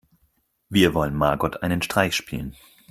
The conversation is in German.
Wir wollen Margot einen Streich spielen.